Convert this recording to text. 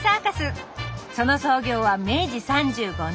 その創業は明治３５年。